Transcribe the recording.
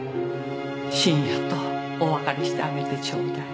信也とお別れしてあげてちょうだい。